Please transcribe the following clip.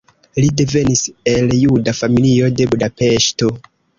Li devenis el juda familio de Budapeŝto.